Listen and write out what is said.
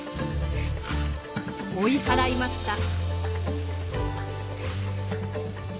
追い払いました。